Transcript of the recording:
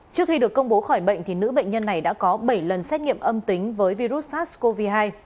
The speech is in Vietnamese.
trước khi được công bố khỏi bệnh nữ bệnh nhân này đã có bảy lần xét nghiệm âm tính với virus sars cov hai